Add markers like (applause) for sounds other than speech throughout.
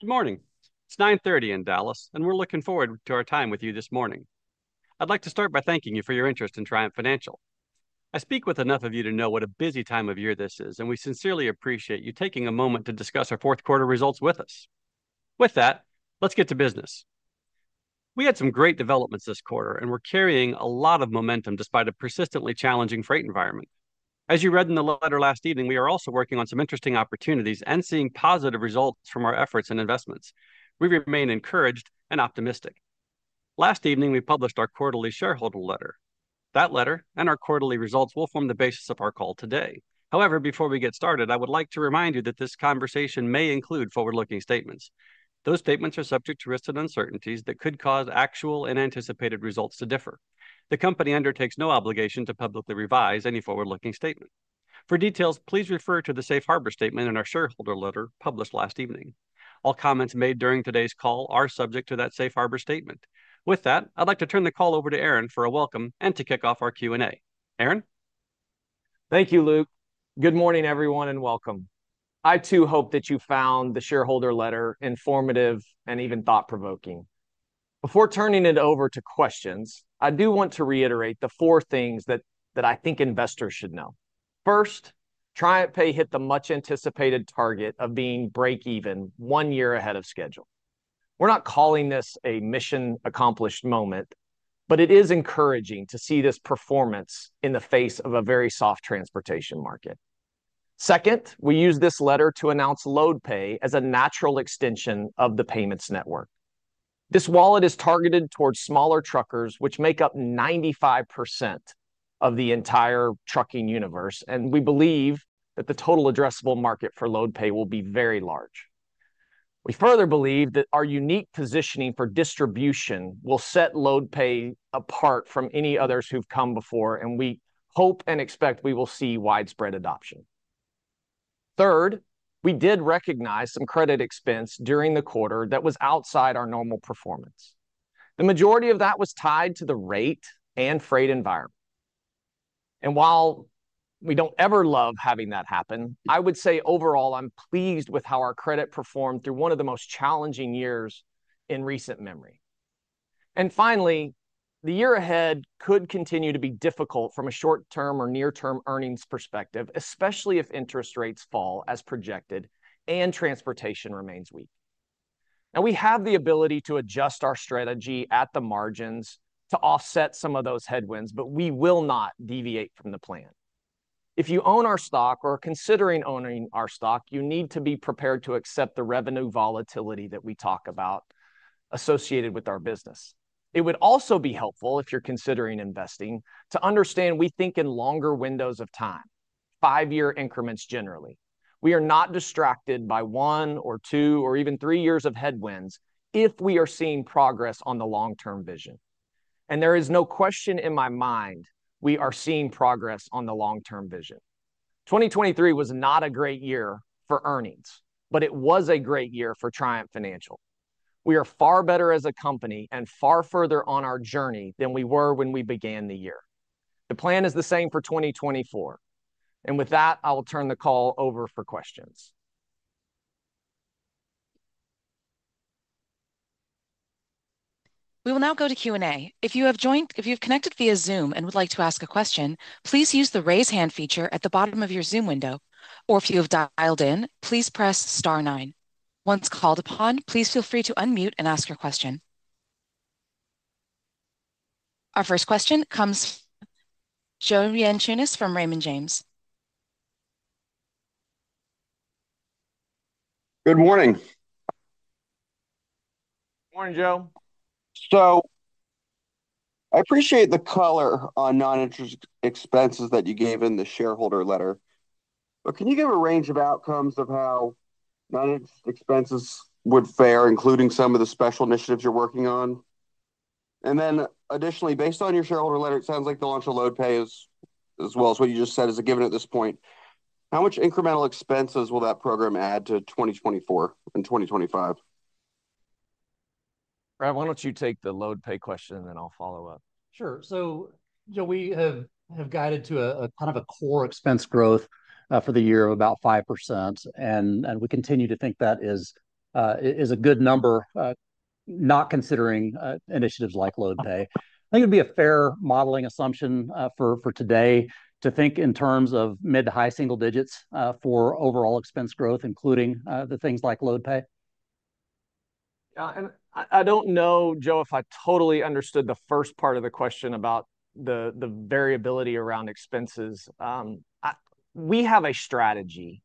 Good morning. It's 9:30 A.M. in Dallas, and we're looking forward to our time with you this morning. I'd like to start by thanking you for your interest in Triumph Financial. I speak with enough of you to know what a busy time of year this is, and we sincerely appreciate you taking a moment to discuss our fourth quarter results with us. With that, let's get to business. We had some great developments this quarter, and we're carrying a lot of momentum, despite a persistently challenging freight environment. As you read in the letter last evening, we are also working on some interesting opportunities and seeing positive results from our efforts and investments. We remain encouraged and optimistic. Last evening, we published our quarterly shareholder letter. That letter and our quarterly results will form the basis of our call today. However, before we get started, I would like to remind you that this conversation may include forward-looking statements. Those statements are subject to risks and uncertainties that could cause actual and anticipated results to differ. The company undertakes no obligation to publicly revise any forward-looking statement. For details, please refer to the safe harbor statement in our shareholder letter published last evening. All comments made during today's call are subject to that safe harbor statement. With that, I'd like to turn the call over to Aaron for a welcome and to kick off our Q&A. Aaron? Thank you, Luke. Good morning, everyone, and welcome. I, too, hope that you found the shareholder letter informative and even thought-provoking. Before turning it over to questions, I do want to reiterate the four things that I think investors should know. First, TriumphPay hit the much-anticipated target of being break even one year ahead of schedule. We're not calling this a mission accomplished moment, but it is encouraging to see this performance in the face of a very soft transportation market. Second, we used this letter to announce LoadPay as a natural extension of the payments network. This wallet is targeted towards smaller truckers, which make up 95% of the entire trucking universe, and we believe that the total addressable market for LoadPay will be very large. We further believe that our unique positioning for distribution will set LoadPay apart from any others who've come before, and we hope and expect we will see widespread adoption. Third, we did recognize some credit expense during the quarter that was outside our normal performance. The majority of that was tied to the rate and freight environment. While we don't ever love having that happen, I would say, overall, I'm pleased with how our credit performed through one of the most challenging years in recent memory. Finally, the year ahead could continue to be difficult from a short-term or near-term earnings perspective, especially if interest rates fall as projected and transportation remains weak. Now, we have the ability to adjust our strategy at the margins to offset some of those headwinds, but we will not deviate from the plan. If you own our stock or are considering owning our stock, you need to be prepared to accept the revenue volatility that we talk about associated with our business. It would also be helpful, if you're considering investing, to understand we think in longer windows of time, five-year increments generally. We are not distracted by one, or two, or even three years of headwinds if we are seeing progress on the long-term vision. There is no question in my mind we are seeing progress on the long-term vision. 2023 was not a great year for earnings, but it was a great year for Triumph Financial. We are far better as a company and far further on our journey than we were when we began the year. The plan is the same for 2024. With that, I will turn the call over for questions. We will now go to Q&A. If you've connected via Zoom and would like to ask a question, please use the Raise Hand feature at the bottom of your Zoom window, or if you have dialed in, please press star nine. Once called upon, please feel free to unmute and ask your question. Our first question comes from Joe Yanchunis from Raymond James. Good morning. Morning, Joe. So I appreciate the color on non-interest expenses that you gave in the shareholder letter. But can you give a range of outcomes of how non-interest expenses would fare, including some of the special initiatives you're working on? And then, additionally, based on your shareholder letter, it sounds like the launch of LoadPay as well as what you just said, is a given at this point. How much incremental expenses will that program add to 2024 and 2025? Brad, why don't you take the LoadPay question, and then I'll follow up? Sure. So Joe, we have guided to a kind of a core expense growth for the year of about 5%, and we continue to think that is a good number, not considering initiatives like LoadPay. I think it'd be a fair modeling assumption for today to think in terms of mid- to high-single digits for overall expense growth, including the things like LoadPay. And I don't know, Joe, if I totally understood the first part of the question about the variability around expenses. We have a strategy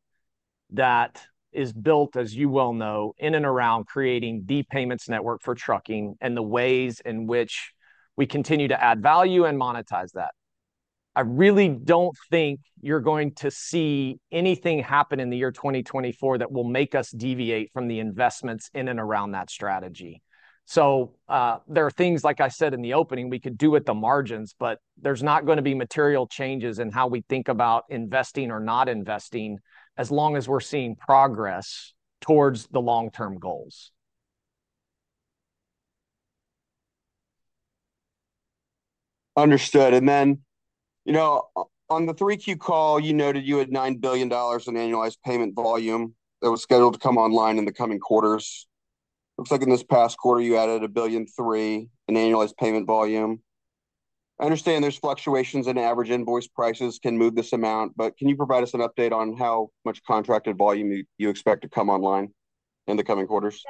that is built, as you well know, in and around creating the payments network for trucking and the ways in which we continue to add value and monetize that. I really don't think you're going to see anything happen in the year 2024 that will make us deviate from the investments in and around that strategy. So, there are things, like I said in the opening, we could do at the margins, but there's not gonna be material changes in how we think about investing or not investing, as long as we're seeing progress towards the long-term goals. Understood. And then, you know, on the 3Q call, you noted you had $9 billion in annualized payment volume that was scheduled to come online in the coming quarters. Looks like in this past quarter, you added $1 billion and $3 million in annualized payment volume. I understand there's fluctuations in average invoice prices can move this amount, but can you provide us an update on how much contracted volume you expect to come online in the coming quarters?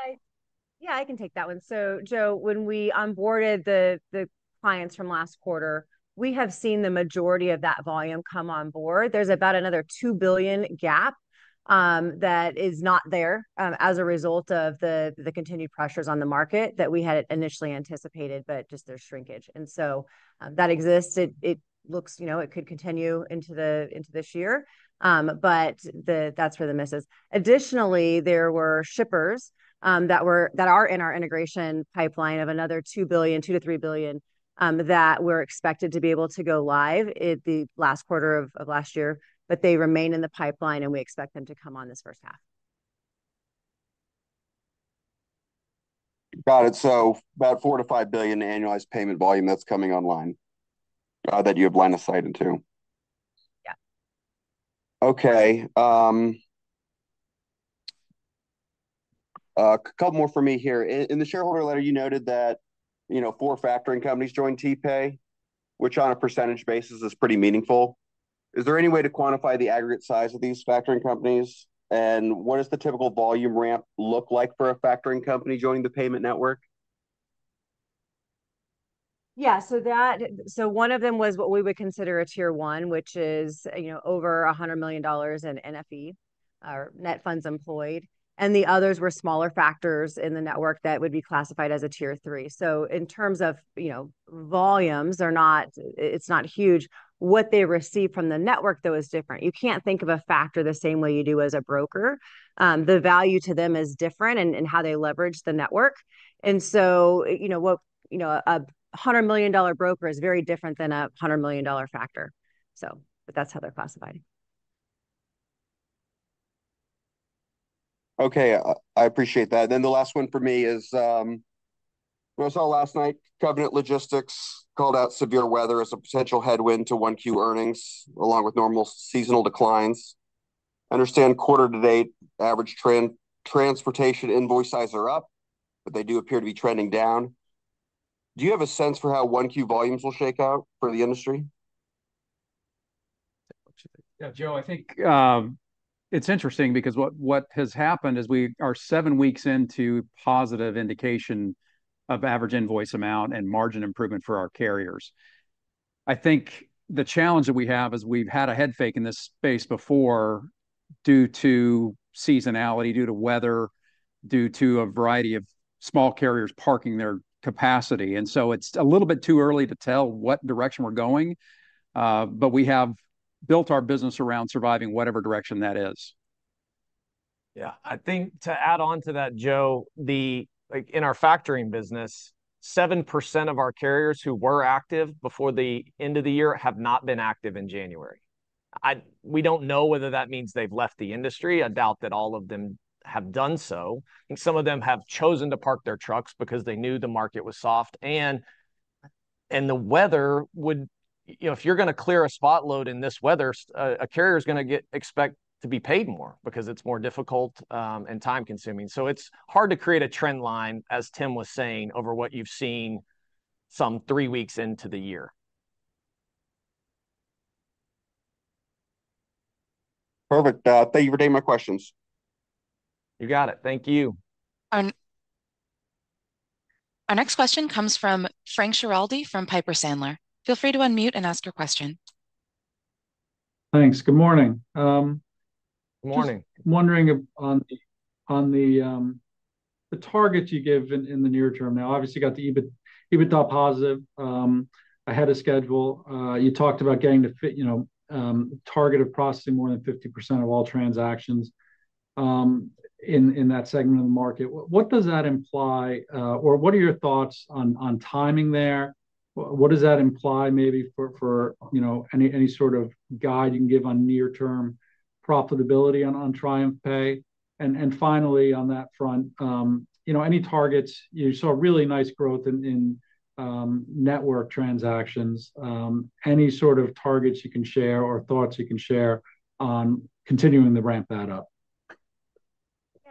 Yeah, I can take that one. So Joe, when we onboarded the clients from last quarter, we have seen the majority of that volume come on board. There's about another $2 billion gap that is not there as a result of the continued pressures on the market that we had initially anticipated, but just there's shrinkage. And so that exists. It looks, you know, it could continue into this year, but that's where the miss is. Additionally, there were shippers that are in our integration pipeline of another $2 billion to $3 billion that were expected to be able to go live in the last quarter of last year, but they remain in the pipeline, and we expect them to come on this first half. Got it. So about $4 billion to $5 billion annualized payment volume that's coming online, that you have line of sight into? Yeah. Okay, couple more for me here. In the shareholder letter, you noted that, you know, four factoring companies joined TPay, which on a percentage basis is pretty meaningful. Is there any way to quantify the aggregate size of these factoring companies? And what is the typical volume ramp look like for a factoring company joining the payment network? Yeah, so one of them was what we would consider a tier one, which is, you know, over $100 million in NFE, or net funds employed, and the others were smaller factors in the network that would be classified as a tier three. So in terms of, you know, volumes, they're not huge. What they receive from the network, though, is different. You can't think of a factor the same way you do as a broker. The value to them is different in how they leverage the network. And so, you know, a $100 million broker is very different than a $100 million factor. So, but that's how they're classified. Okay, I appreciate that. Then the last one for me is, what I saw last night, Covenant Logistics called out severe weather as a potential headwind to 1Q earnings, along with normal seasonal declines. I understand quarter to date, average transportation invoice sizes are up, but they do appear to be trending down. Do you have a sense for how 1Q volumes will shake out for the industry? Yeah, Joe, I think it's interesting because what has happened is we are seven weeks into positive indication of average invoice amount and margin improvement for our carriers. I think the challenge that we have is we've had a head fake in this space before due to seasonality, due to weather, due to a variety of small carriers parking their capacity. And so it's a little bit too early to tell what direction we're going, but we have built our business around surviving whatever direction that is. Yeah, I think to add on to that, Joe, like in our factoring business, 7% of our carriers who were active before the end of the year have not been active in January. We don't know whether that means they've left the industry. I doubt that all of them have done so, and some of them have chosen to park their trucks because they knew the market was soft, and the weather would... You know, if you're gonna clear a spot load in this weather, a carrier is gonna expect to be paid more because it's more difficult and time-consuming. So it's hard to create a trend line, as Tim was saying, over what you've seen some three weeks into the year. Perfect. Thank you for taking my questions. You got it. Thank you. On- Our next question comes from Frank Schiraldi from Piper Sandler. Feel free to unmute and ask your question. Thanks. Good morning, Good morning. Just wondering on the target you gave in the near term. Now, obviously, you got the EBIT, EBITDA positive ahead of schedule. You talked about getting to you know target of processing more than 50% of all transactions in that segment of the market. What does that imply or what are your thoughts on timing there? What does that imply maybe for you know any sort of guide you can give on near-term profitability on TriumphPay? And finally, on that front, you know, any targets you saw really nice growth in network transactions. Any sort of targets you can share or thoughts you can share on continuing to ramp that up?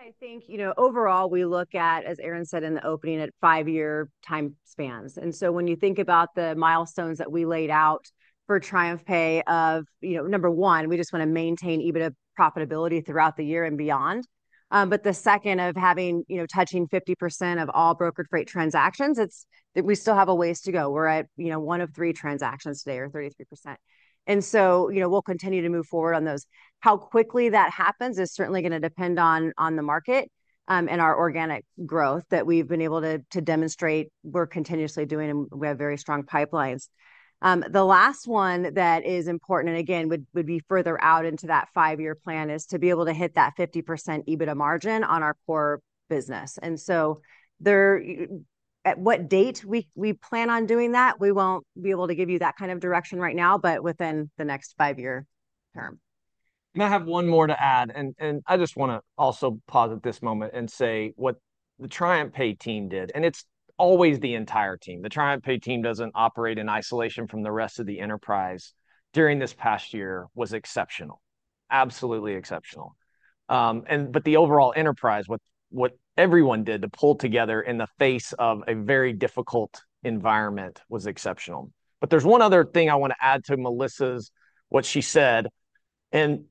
I think, you know, overall, we look at, as Aaron said in the opening, at five-year time spans. So when you think about the milestones that we laid out for TriumphPay of, you know, number one, we just want to maintain EBITDA profitability throughout the year and beyond. But the second of having, you know, touching 50% of all brokered freight transactions, that we still have a ways to go. We're at, you know, one of three transactions today, or 33%. So, you know, we'll continue to move forward on those. How quickly that happens is certainly gonna depend on the market, and our organic growth that we've been able to demonstrate we're continuously doing, and we have very strong pipelines. The last one that is important, and again, would be further out into that five-year plan, is to be able to hit that 50% EBITDA margin on our core business. And so, at what date we plan on doing that, we won't be able to give you that kind of direction right now, but within the next five-year term. And I have one more to add, and I just wanna also pause at this moment and say what the TriumphPay team did, and it's always the entire team. The TriumphPay team doesn't operate in isolation from the rest of the enterprise. During this past year was exceptional. Absolutely exceptional. But the overall enterprise, what everyone did to pull together in the face of a very difficult environment, was exceptional. But there's one other thing I want to add to Melissa's, what she said, and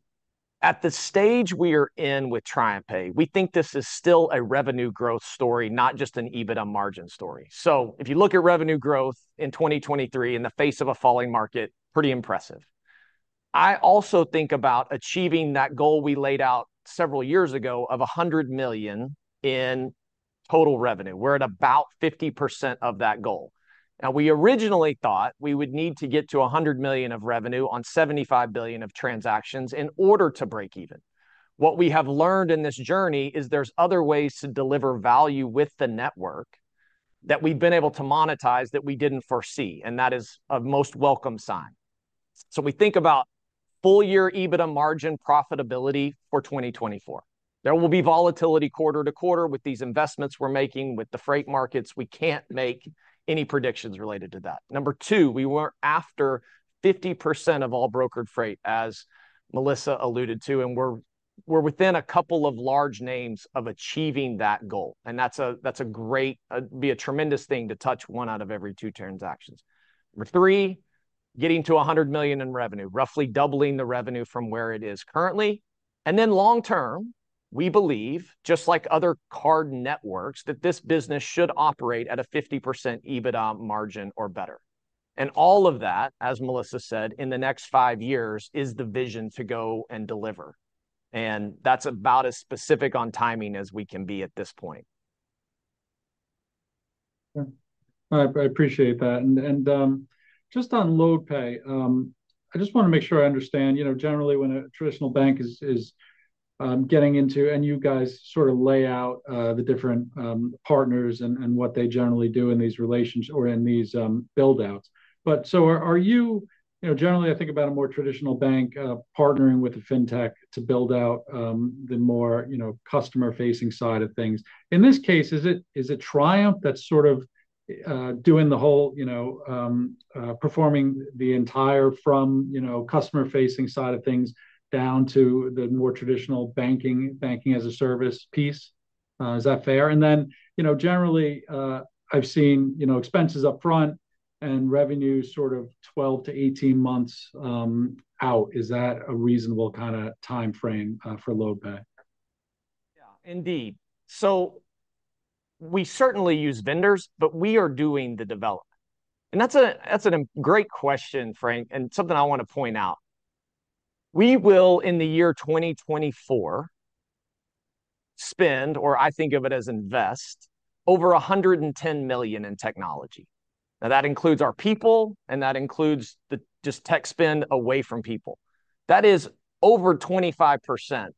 at the stage we are in with TriumphPay, we think this is still a revenue growth story, not just an EBITDA margin story. So if you look at revenue growth in 2023, in the face of a falling market, pretty impressive. I also think about achieving that goal we laid out several years ago of $100 million in total revenue. We're at about 50% of that goal. Now, we originally thought we would need to get to $100 million of revenue on 75 billion of transactions in order to break even. What we have learned in this journey is there's other ways to deliver value with the network, that we've been able to monetize, that we didn't foresee, and that is a most welcome sign. So we think about full year EBITDA margin profitability for 2024. There will be volatility quarter to quarter with these investments we're making. With the freight markets, we can't make any predictions related to that. Number two, we were after 50% of all brokered freight, as Melissa alluded to, and we're within a couple of large names of achieving that goal, and that's a great. It'd be a tremendous thing to touch one out of every two transactions. Number three, getting to $100 million in revenue, roughly doubling the revenue from where it is currently. And then long term, we believe, just like other card networks, that this business should operate at a 50% EBITDA margin or better. And all of that, as Melissa said, in the next five years, is the vision to go and deliver, and that's about as specific on timing as we can be at this point. Yeah. I appreciate that. And just on LoadPay, I just wanna make sure I understand. You know, generally, when a traditional bank is getting into and you guys sort of lay out the different partners and what they generally do in these relations or in these build-outs. But so are you. You know, generally, I think about a more traditional bank partnering with a fintech to build out the more, you know, customer-facing side of things. In this case, is it Triumph that's sort of doing the whole, you know, performing the entire from customer-facing side of things, down to the more traditional banking, banking-as-a-service piece? Is that fair? Then, you know, generally, I've seen, you know, expenses up front and revenue sort of 12-18 months out. Is that a reasonable kinda timeframe for LoadPay? Yeah, indeed. So we certainly use vendors, but we are doing the development. And that's a, that's a great question, Frank, and something I want to point out. We will, in the year 2024, spend, or I think of it as invest, over $110 million in technology. Now, that includes our people, and that includes the just tech spend away from people. That is over 25%,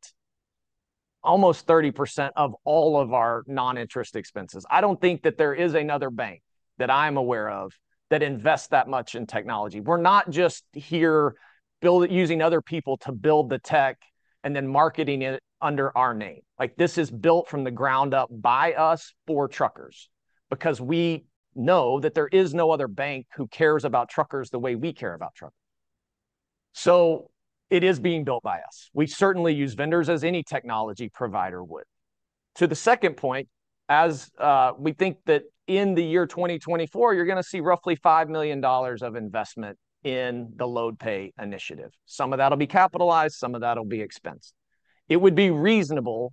almost 30% of all of our non-interest expenses. I don't think that there is another bank, that I'm aware of, that invests that much in technology. We're not just here using other people to build the tech and then marketing it under our name. Like, this is built from the ground up by us for truckers, because we know that there is no other bank who cares about truckers the way we care about truckers. So it is being built by us. We certainly use vendors, as any technology provider would. To the second point, as we think that in the year 2024, you're gonna see roughly $5 million of investment in the LoadPay initiative. Some of that'll be capitalized, some of that'll be expense. It would be reasonable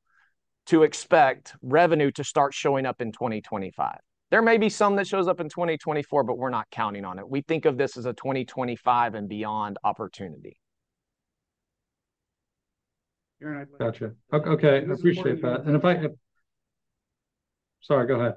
to expect revenue to start showing up in 2025. There may be some that shows up in 2024, but we're not counting on it. We think of this as a 2025-and-beyond opportunity. Aaron, I- (crosstalk) Gotcha. Okay, I appreciate that. And if I... Sorry, go ahead.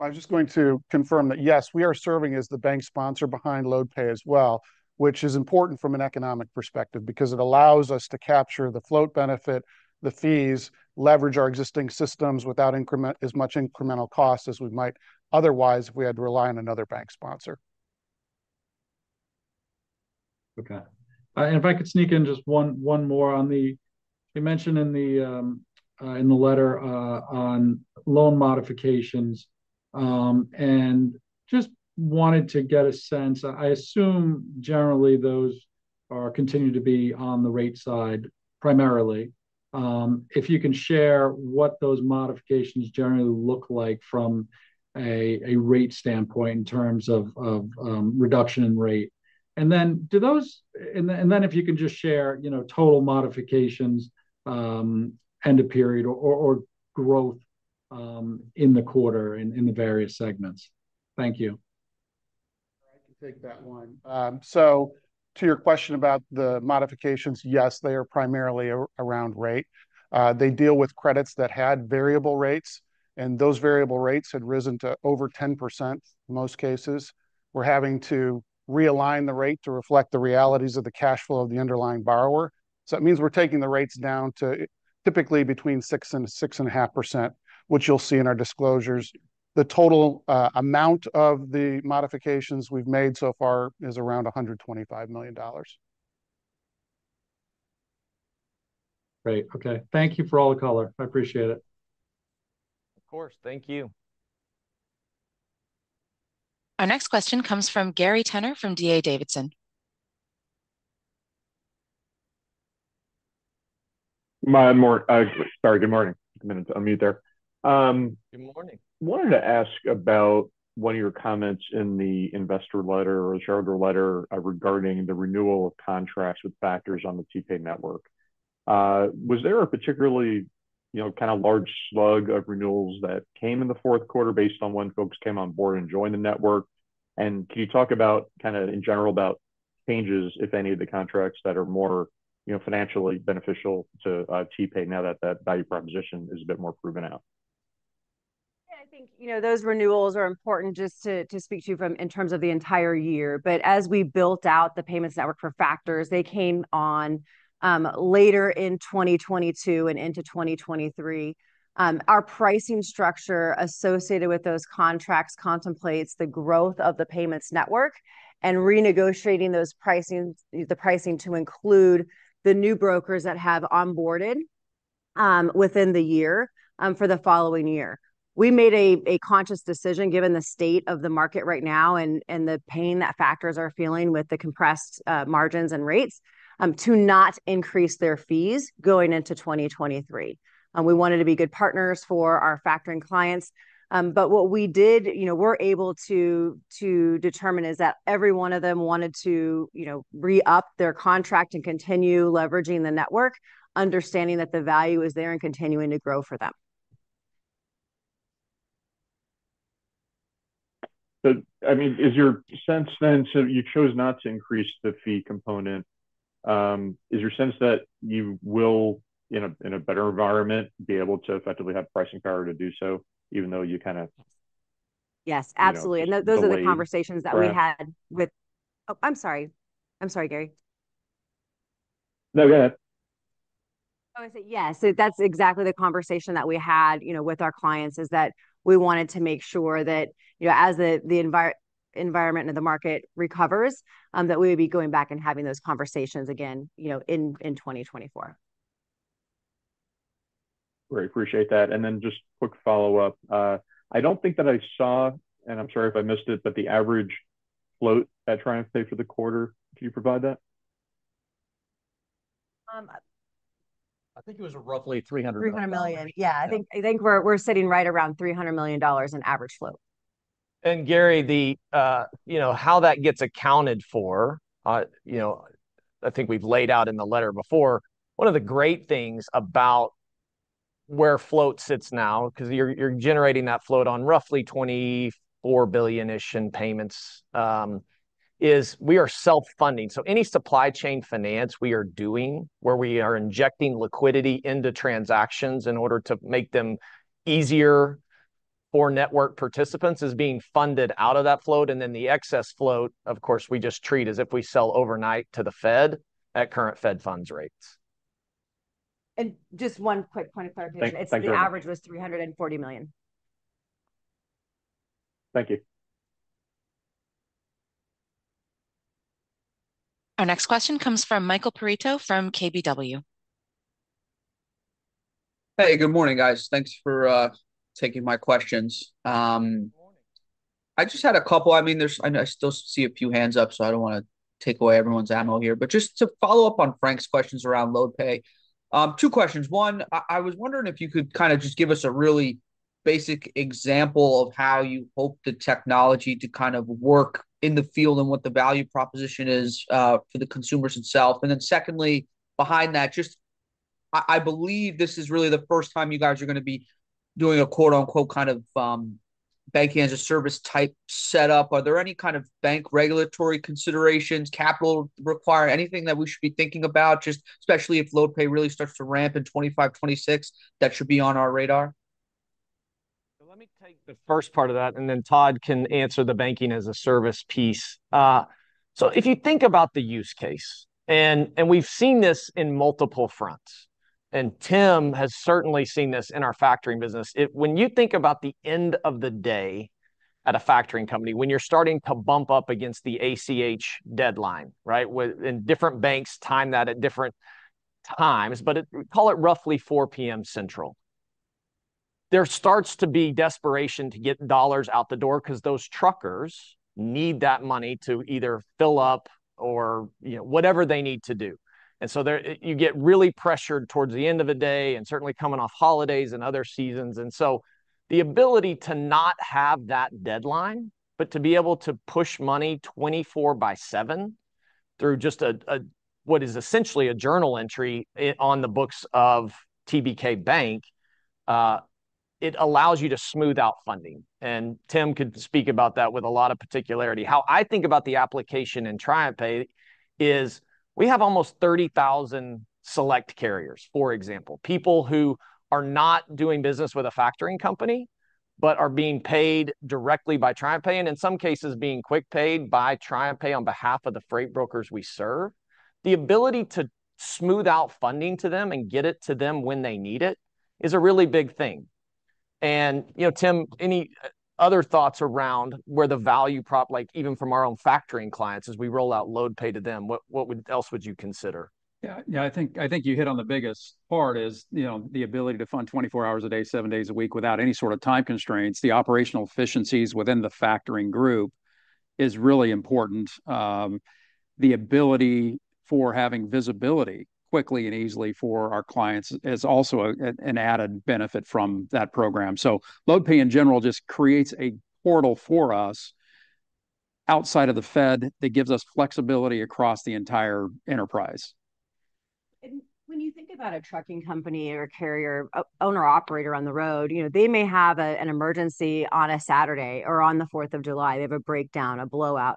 I was just going to confirm that, yes, we are serving as the bank sponsor behind LoadPay as well, which is important from an economic perspective because it allows us to capture the float benefit, the fees, leverage our existing systems without as much incremental cost as we might otherwise, if we had to rely on another bank sponsor. Okay. And if I could sneak in just one more on the—you mentioned in the letter on loan modifications. And just wanted to get a sense. I assume, generally, those are continuing to be on the rate side, primarily. If you can share what those modifications generally look like from a rate standpoint in terms of reduction in rate. And then, do those—and then, if you can just share, you know, total modifications, end of period or growth in the quarter in the various segments. Thank you. I can take that one. So to your question about the modifications, yes, they are primarily around rate. They deal with credits that had variable rates, and those variable rates had risen to over 10% in most cases. We're having to realign the rate to reflect the realities of the cash flow of the underlying borrower. So it means we're taking the rates down to typically between 6% to 6.5%, which you'll see in our disclosures. The total amount of the modifications we've made so far is around $125 million. Great. Okay. Thank you for all the color. I appreciate it. Of course. Thank you. Our next question comes from Gary Tenner, from D.A. Davidson. Sorry, good morning. Took a minute to unmute there. Good morning. Wanted to ask about one of your comments in the investor letter or shareholder letter, regarding the renewal of contracts with factors on the TPay network. Was there a particularly, you know, kind of large slug of renewals that came in the fourth quarter based on when folks came on board and joined the network? And can you talk about, kind of in general, about changes, if any, of the contracts that are more, you know, financially beneficial to, TPay now that that value proposition is a bit more proven out? Yeah, I think, you know, those renewals are important just to speak to in terms of the entire year. But as we built out the payments network for factors, they came on later in 2022 and into 2023. Our pricing structure associated with those contracts contemplates the growth of the payments network, and renegotiating those pricings, the pricing, to include the new brokers that have onboarded within the year for the following year. We made a conscious decision, given the state of the market right now and the pain that factors are feeling with the compressed margins and rates, to not increase their fees going into 2023. We wanted to be good partners for our factoring clients. But what we did... You know, we're able to, to determine is that every one of them wanted to, you know, re-up their contract and continue leveraging the network, understanding that the value is there and continuing to grow for them. So I mean, is your sense then so you chose not to increase the fee component. Is your sense that you will, in a better environment, be able to effectively have pricing power to do so, even though you kind of- Yes, absolutely. You know, delay- And those are the conversations that we had. Go ahead. Oh, I'm sorry. I'm sorry, Gary. No, go ahead. I would say, yes, so that's exactly the conversation that we had, you know, with our clients, is that we wanted to make sure that, you know, as the environment and the market recovers, that we would be going back and having those conversations again, you know, in 2024. Great. Appreciate that. And then just quick follow-up. I don't think that I saw, and I'm sorry if I missed it, but the average float at TriumphPay for the quarter. Did you provide that? I think it was roughly $300 million. $300 million, yeah. Yeah. I think we're sitting right around $300 million in average float. Gary, the... You know, how that gets accounted for, you know, I think we've laid out in the letter before, one of the great things about where float sits now, 'cause you're, you're generating that float on roughly $24 billion-ish in payments, is we are self-funding. So any supply chain finance we are doing, where we are injecting liquidity into transactions in order to make them easier for network participants, is being funded out of that float. And then the excess float, of course, we just treat as if we sell overnight to the Fed at current Fed funds rates. Just one quick point of clarification. Thank you. It's the average was $340 million. Thank you. Our next question comes from Mike Perito from KBW. Hey, good morning, guys. Thanks for taking my questions. Good morning. I just had a couple. I mean, there's. I know I still see a few hands up, so I don't wanna take away everyone's ammo here. But just to follow up on Frank's questions around LoadPay, two questions. One, I was wondering if you could kind of just give us a really basic example of how you hope the technology to kind of work in the field and what the value proposition is for the consumers itself. And then secondly, behind that, I believe this is really the first time you guys are gonna be doing a quote, unquote, kind of banking-as-a-service type setup. Are there any kind of bank regulatory considerations, capital require, anything that we should be thinking about, just especially if LoadPay really starts to ramp in 2025, 2026, that should be on our radar? So let me take the first part of that, and then Todd can answer the banking-as-a-service piece. So if you think about the use case, and we've seen this in multiple fronts, and Tim has certainly seen this in our factoring business. When you think about the end of the day at a factoring company, when you're starting to bump up against the ACH deadline, right? And different banks time that at different times, but call it roughly 4 P.M. Central. There starts to be desperation to get dollars out the door, 'cause those truckers need that money to either fill up or, you know, whatever they need to do. And so there you get really pressured towards the end of the day, and certainly coming off holidays and other seasons. The ability to not have that deadline, but to be able to push money 24/7 through just a what is essentially a journal entry on the books of TBK Bank, it allows you to smooth out funding, and Tim could speak about that with a lot of particularity. How I think about the application in TriumphPay is, we have almost 30,000 select carriers, for example, people who are not doing business with a factoring company, but are being paid directly by TriumphPay, and in some cases, being QuickPay by TriumphPay on behalf of the freight brokers we serve. The ability to smooth out funding to them and get it to them when they need it is a really big thing. You know, Tim, any other thoughts around where the value prop, like even from our own factoring clients, as we roll out LoadPay to them, what else would you consider? Yeah, yeah, I think, I think you hit on the biggest part is, you know, the ability to fund 24 hours a day, seven days a week without any sort of time constraints. The operational efficiencies within the factoring group is really important. The ability for having visibility quickly and easily for our clients is also an added benefit from that program. So LoadPay, in general, just creates a portal for us outside of the Fed that gives us flexibility across the entire enterprise. When you think about a trucking company or a carrier, owner-operator on the road, you know, they may have an emergency on a Saturday or on the Fourth of July. They have a breakdown, a blowout.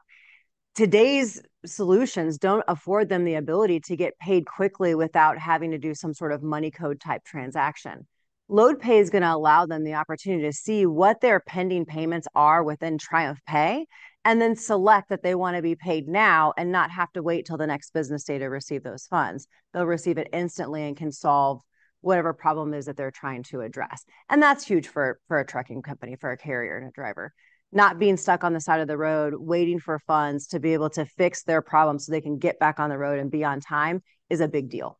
Today's solutions don't afford them the ability to get paid quickly without having to do some sort of money code-type transaction. LoadPay is gonna allow them the opportunity to see what their pending payments are within TriumphPay, and then select that they wanna be paid now and not have to wait till the next business day to receive those funds. They'll receive it instantly and can solve whatever problem it is that they're trying to address, and that's huge for a trucking company, for a carrier and a driver. Not being stuck on the side of the road, waiting for funds to be able to fix their problem, so they can get back on the road and be on time, is a big deal.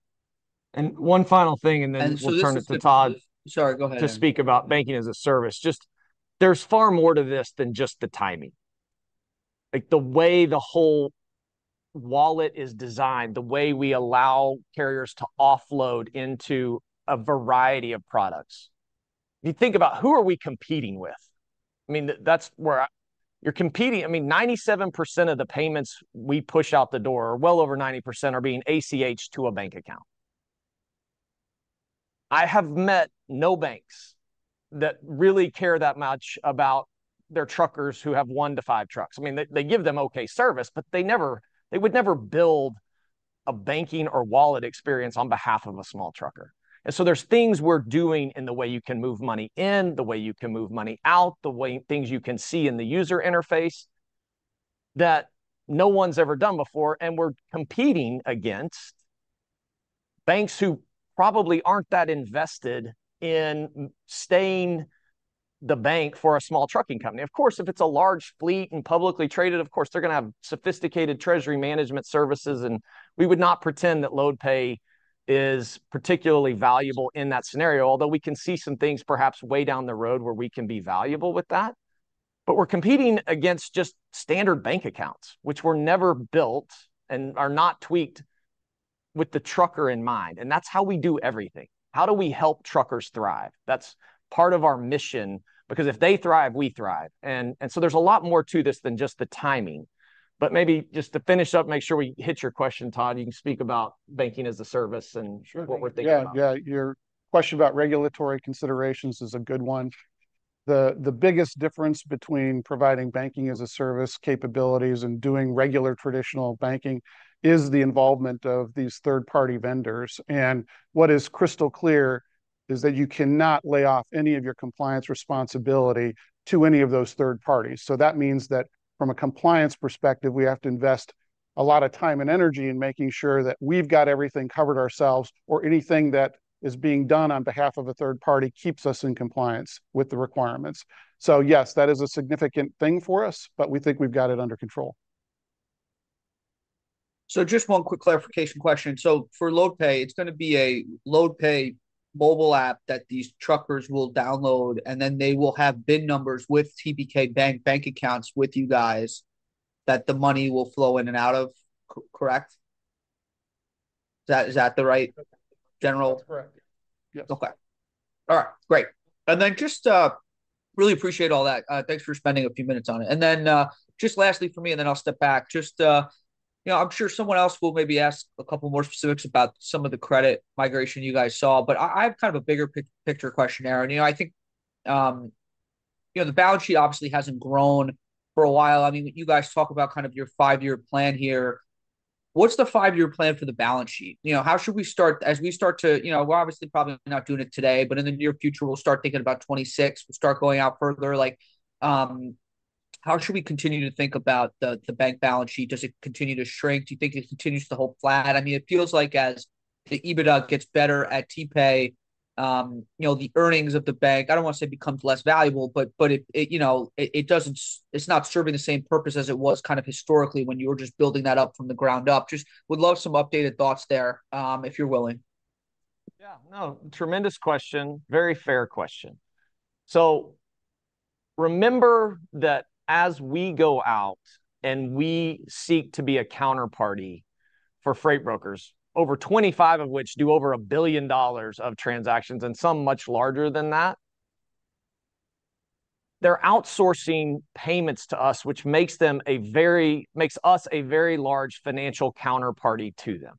And one final thing, and then- And so this is the- We'll turn it to Todd. Sorry, go ahead. To speak about banking-as-a-service. Just there's far more to this than just the timing. Like, the way the whole wallet is designed, the way we allow carriers to offload into a variety of products. You think about, who are we competing with? I mean, that's where I... You're competing. I mean, 97% of the payments we push out the door, well over 90%, are being ACH to a bank account. I have met no banks that really care that much about their truckers who have 1-5 trucks. I mean, they, they give them okay service, but they never. They would never build a banking or wallet experience on behalf of a small trucker. There's things we're doing in the way you can move money in, the way you can move money out, things you can see in the user interface, that no one's ever done before. We're competing against banks who probably aren't that invested in staying the bank for a small trucking company. Of course, if it's a large fleet and publicly traded, of course, they're gonna have sophisticated treasury management services, and we would not pretend that LoadPay is particularly valuable in that scenario. Although, we can see some things perhaps way down the road where we can be valuable with that. We're competing against just standard bank accounts, which were never built and are not tweaked with the trucker in mind, and that's how we do everything. How do we help truckers thrive? That's part of our mission because if they thrive, we thrive. And so there's a lot more to this than just the timing. But maybe just to finish up and make sure we hit your question, Todd, you can speak about banking as a service, and- Sure thing What we're thinking about. Yeah, yeah. Your question about regulatory considerations is a good one. The biggest difference between providing banking-as-a-service capabilities and doing regular, traditional banking is the involvement of these third-party vendors. What is crystal clear is that you cannot lay off any of your compliance responsibility to any of those third parties. That means that from a compliance perspective, we have to invest a lot of time and energy in making sure that we've got everything covered ourselves, or anything that is being done on behalf of a third party keeps us in compliance with the requirements. Yes, that is a significant thing for us, but we think we've got it under control. Just one quick clarification question. So for LoadPay, it's gonna be a LoadPay mobile app that these truckers will download, and then they will have BIN numbers with TBK Bank bank accounts with you guys, that the money will flow in and out of, so correct? Is that, is that the right general- That's correct. Yep. Okay. All right, great. And then just, really appreciate all that. Thanks for spending a few minutes on it. And then, just lastly for me, and then I'll step back. Just, you know, I'm sure someone else will maybe ask a couple more specifics about some of the credit migration you guys saw, but I have kind of a bigger picture questionnaire here, and, you know, I think, you know, the balance sheet obviously hasn't grown for a while. I mean, you guys talk about kind of your five-year plan here. What's the five-year plan for the balance sheet? You know, how should we start, as we start to... You know, we're obviously probably not doing it today, but in the near future, we'll start thinking about 2026. We'll start going out further. Like, how should we continue to think about the bank balance sheet? Does it continue to shrink? Do you think it continues to hold flat? I mean, it feels like as the EBITDA gets better at TPay, you know, the earnings of the bank, I don't want to say becomes less valuable, but, you know, it doesn't. It's not serving the same purpose as it was kind of historically when you were just building that up from the ground up. Just would love some updated thoughts there, if you're willing. Yeah, no, tremendous question. Very fair question. So remember that as we go out and we seek to be a counterparty for freight brokers, over 25 of which do over $1 billion of transactions, and some much larger than that, they're outsourcing payments to us, which makes them a very- makes us a very large financial counterparty to them.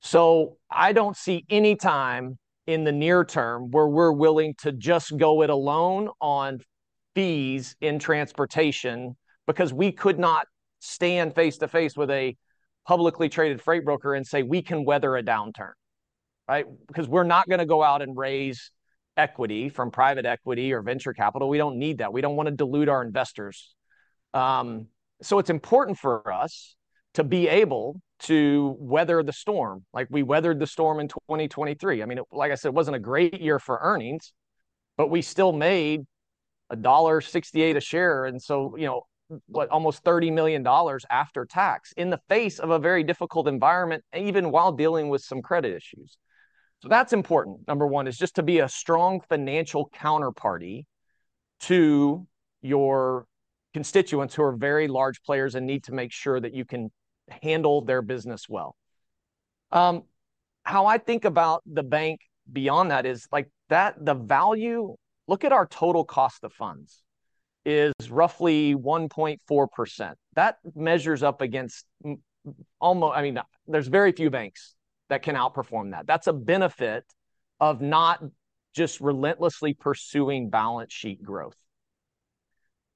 So I don't see any time in the near term where we're willing to just go it alone on fees in transportation, because we could not stand face-to-face with a publicly traded freight broker and say: We can weather a downturn. Right? Because we're not gonna go out and raise equity from private equity or venture capital. We don't need that. We don't want to dilute our investors- so it's important for us to be able to weather the storm, like we weathered the storm in 2023. I mean, like I said, it wasn't a great year for earnings, but we still made $1.68 a share, and so, you know, what? Almost $30 million after tax in the face of a very difficult environment, even while dealing with some credit issues. So that's important. Number one, is just to be a strong financial counterparty to your constituents, who are very large players and need to make sure that you can handle their business well. How I think about the bank beyond that is, like, that the value. Look at our total cost of funds is roughly 1.4%. That measures up against almost... I mean, there's very few banks that can outperform that. That's a benefit of not just relentlessly pursuing balance sheet growth.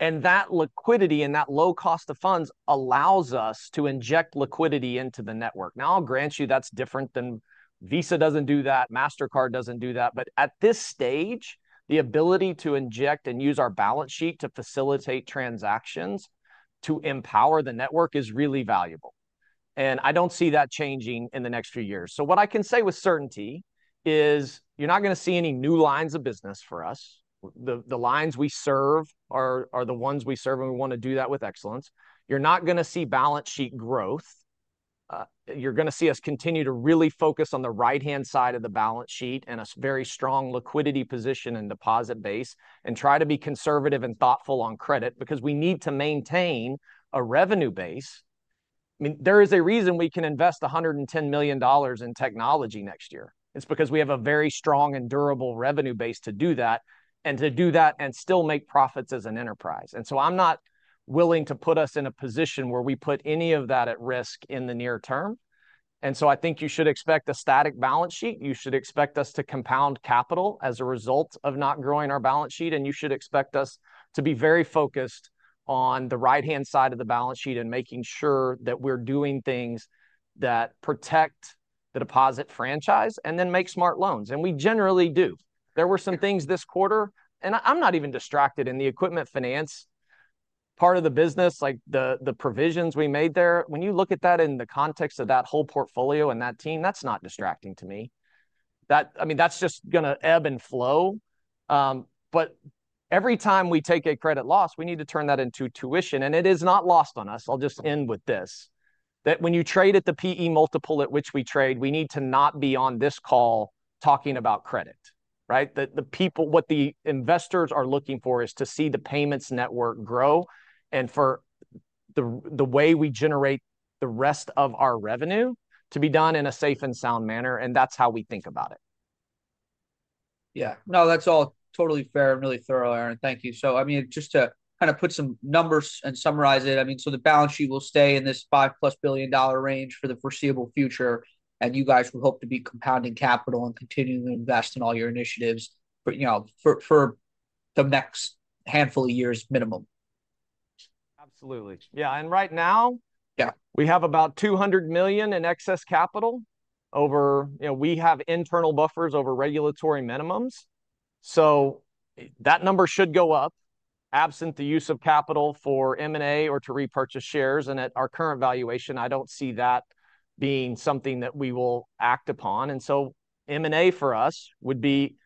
And that liquidity and that low cost of funds allows us to inject liquidity into the network. Now, I'll grant you, that's different than... Visa doesn't do that, Mastercard doesn't do that, but at this stage, the ability to inject and use our balance sheet to facilitate transactions to empower the network is really valuable, and I don't see that changing in the next few years. So what I can say with certainty is you're not gonna see any new lines of business for us. The, the lines we serve are, are the ones we serve, and we wanna do that with excellence. You're not gonna see balance sheet growth. You're gonna see us continue to really focus on the right-hand side of the balance sheet and a very strong liquidity position and deposit base, and try to be conservative and thoughtful on credit because we need to maintain a revenue base. I mean, there is a reason we can invest $110 million in technology next year. It's because we have a very strong and durable revenue base to do that, and to do that and still make profits as an enterprise. And so I'm not willing to put us in a position where we put any of that at risk in the near term, and so I think you should expect a static balance sheet. You should expect us to compound capital as a result of not growing our balance sheet, and you should expect us to be very focused on the right-hand side of the balance sheet and making sure that we're doing things that protect the deposit franchise, and then make smart loans, and we generally do. There were some things this quarter, and I'm not even distracted in the equipment finance part of the business, like the, the provisions we made there. When you look at that in the context of that whole portfolio and that team, that's not distracting to me. That—I mean, that's just gonna ebb and flow. But every time we take a credit loss, we need to turn that into tuition, and it is not lost on us. I'll just end with this, that when you trade at the P/E multiple at which we trade, we need to not be on this call talking about credit, right? The people—what the investors are looking for is to see the payments network grow and for the way we generate the rest of our revenue to be done in a safe and sound manner, and that's how we think about it. Yeah. No, that's all totally fair and really thorough, Aaron. Thank you. So I mean, just to kind of put some numbers and summarize it, I mean, so the balance sheet will stay in this $5+ billion range for the foreseeable future, and you guys would hope to be compounding capital and continuing to invest in all your initiatives, but, you know, for, for the next handful of years, minimum. Absolutely. Yeah, and right now- Yeah We have about $200 million in excess capital over... You know, we have internal buffers over regulatory minimums, so that number should go up, absent the use of capital for M&A or to repurchase shares, and at our current valuation, I don't see that being something that we will act upon. And so M&A, for us, would be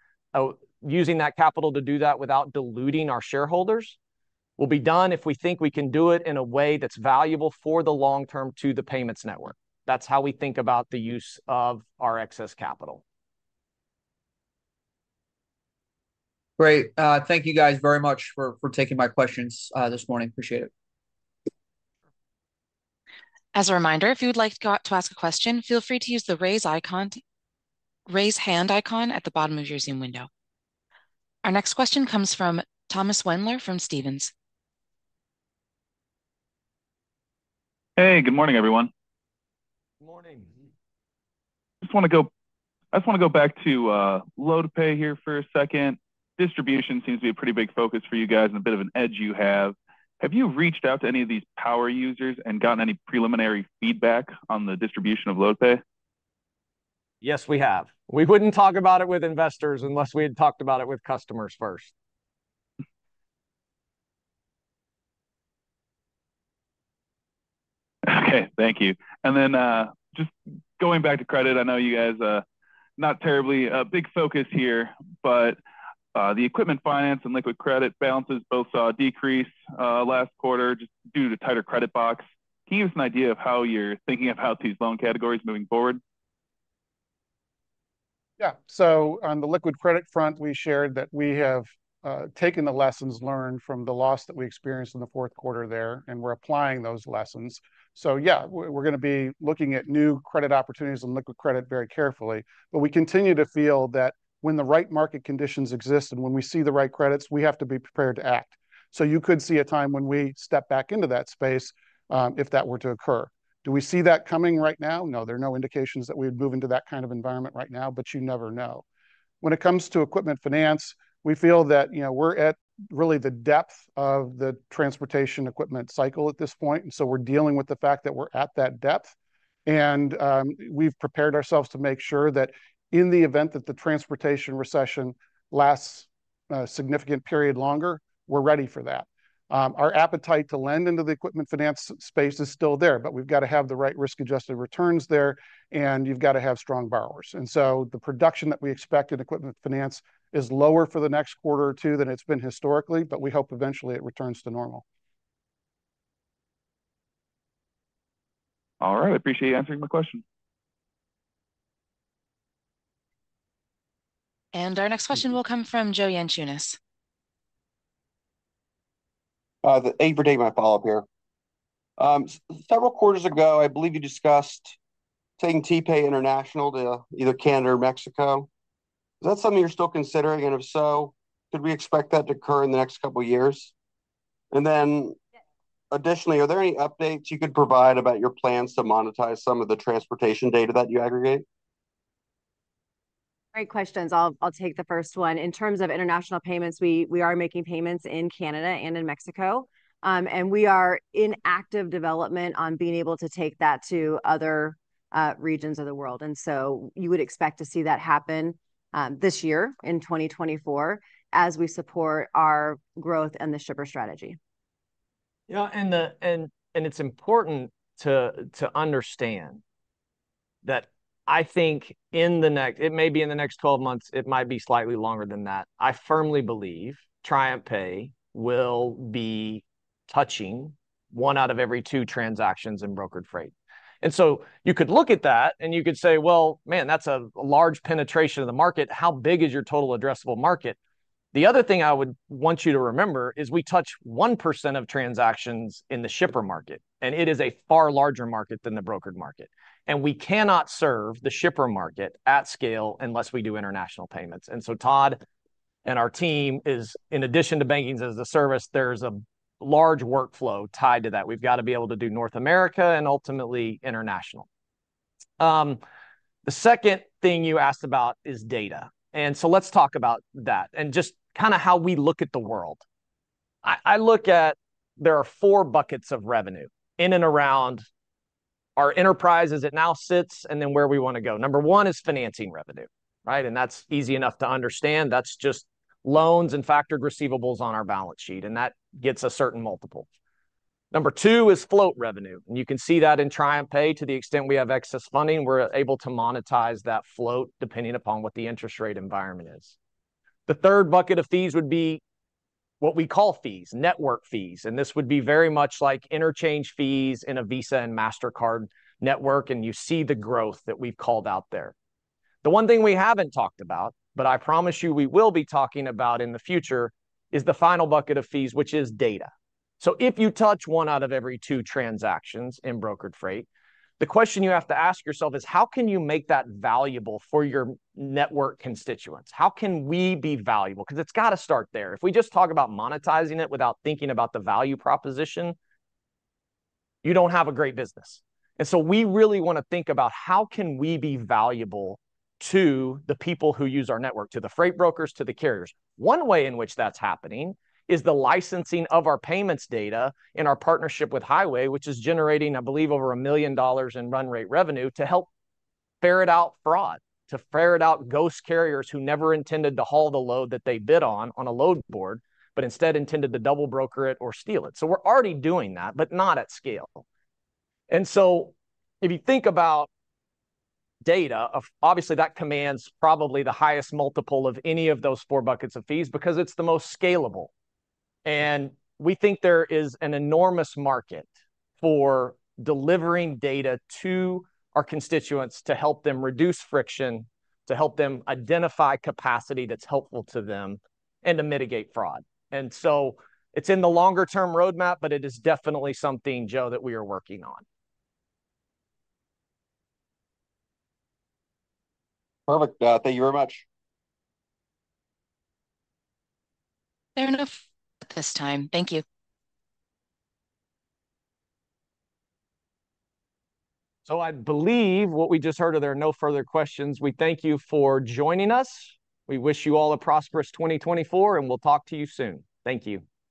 using that capital to do that without diluting our shareholders, will be done if we think we can do it in a way that's valuable for the long term to the payments network. That's how we think about the use of our excess capital. Great. Thank you guys very much for taking my questions this morning. Appreciate it. As a reminder, if you would like to go to ask a question, feel free to use the raise icon, raise hand icon at the bottom of your Zoom window. Our next question comes from Tommy Wendler from Stephens. Hey, good morning, everyone. Morning. I just wanna go back to LoadPay here for a second. Distribution seems to be a pretty big focus for you guys and a bit of an edge you have. Have you reached out to any of these power users and gotten any preliminary feedback on the distribution of LoadPay? Yes, we have. We wouldn't talk about it with investors unless we had talked about it with customers first. Okay, thank you. And then, just going back to credit, I know you guys, not terribly a big focus here, but, the equipment finance and liquid credit balances both saw a decrease, last quarter just due to tighter credit box. Can you give us an idea of how you're thinking about these loan categories moving forward? Yeah. So on the liquid credit front, we shared that we have taken the lessons learned from the loss that we experienced in the fourth quarter there, and we're applying those lessons. So yeah, we're gonna be looking at new credit opportunities and liquid credit very carefully. But we continue to feel that when the right market conditions exist and when we see the right credits, we have to be prepared to act. So you could see a time when we step back into that space, if that were to occur. Do we see that coming right now? No, there are no indications that we'd move into that kind of environment right now, but you never know. When it comes to equipment finance, we feel that, you know, we're at really the depth of the transportation equipment cycle at this point, and so we're dealing with the fact that we're at that depth. And we've prepared ourselves to make sure that in the event that the transportation recession lasts a significant period longer, we're ready for that. Our appetite to lend into the equipment finance space is still there, but we've got to have the right risk-adjusted returns there, and you've got to have strong borrowers. And so the production that we expect in equipment finance is lower for the next quarter or two than it's been historically, but we hope eventually it returns to normal. All right. I appreciate you answering my question. Our next question will come from Joe Yanchunis. For TPay, my follow-up here. Several quarters ago, I believe you discussed taking TPay international to either Canada or Mexico. Is that something you're still considering? And if so, could we expect that to occur in the next couple of years? And then additionally, are there any updates you could provide about your plans to monetize some of the transportation data that you aggregate? Great questions. I'll take the first one. In terms of international payments, we are making payments in Canada and in Mexico. We are in active development on being able to take that to other regions of the world. So you would expect to see that happen this year, in 2024, as we support our growth and the shipper strategy. Yeah, and it's important to understand that I think in the next... It may be in the next 12 months, it might be slightly longer than that. I firmly believe TriumphPay will be touching one out of every two transactions in brokered freight. And so you could look at that, and you could say, "Well, man, that's a large penetration of the market. How big is your total addressable market?" The other thing I would want you to remember is we touch 1% of transactions in the shipper market, and it is a far larger market than the brokered market. And we cannot serve the shipper market at scale unless we do international payments. And so Todd and our team is, in addition to banking as a service, there's a large workflow tied to that. We've got to be able to do North America and ultimately international. The second thing you asked about is data, and so let's talk about that and just kind of how we look at the world. I, I look at there are four buckets of revenue in and around our enterprise as it now sits, and then where we want to go. Number one is financing revenue, right? And that's easy enough to understand. That's just loans and factored receivables on our balance sheet, and that gets a certain multiple. Number two is float revenue, and you can see that in Triumph Pay. To the extent we have excess funding, we're able to monetize that float, depending upon what the interest rate environment is. The third bucket of fees would be what we call fees, network fees, and this would be very much like interchange fees in a Visa and MasterCard network, and you see the growth that we've called out there. The one thing we haven't talked about, but I promise you we will be talking about in the future, is the final bucket of fees, which is data. So if you touch one out of every two transactions in brokered freight, the question you have to ask yourself is: how can you make that valuable for your network constituents? How can we be valuable? Because it's got to start there. If we just talk about monetizing it without thinking about the value proposition, you don't have a great business. And so we really want to think about: how can we be valuable to the people who use our network, to the freight brokers, to the carriers? One way in which that's happening is the licensing of our payments data in our partnership with Highway, which is generating, I believe, over $1 million in run rate revenue to help ferret out fraud, to ferret out ghost carriers who never intended to haul the load that they bid on, on a load board, but instead intended to double broker it or steal it. So we're already doing that, but not at scale. And so if you think about data, obviously, that commands probably the highest multiple of any of those four buckets of fees because it's the most scalable. We think there is an enormous market for delivering data to our constituents to help them reduce friction, to help them identify capacity that's helpful to them, and to mitigate fraud. So it's in the longer-term roadmap, but it is definitely something, Joe, that we are working on. Perfect. Thank you very much. There are enough at this time. Thank you. So, I believe what we just heard is that there are no further questions. We thank you for joining us. We wish you all a prosperous 2024, and we'll talk to you soon. Thank you.